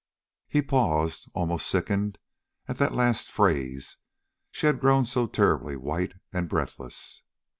He paused, almost sickened; at that last phrase she had grown so terribly white and breathless.